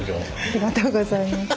ありがとうございます。